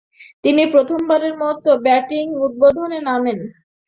তিনি প্রথমবারের মতো ব্যাটিং উদ্বোধনে নামেন।